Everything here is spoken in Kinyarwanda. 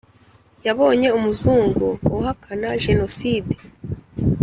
Yabonye umuzungu uhakana genoside